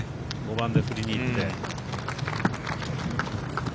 ５番で振りにいって。